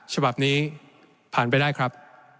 ฉบับนี้ผ่านไปได้ครับ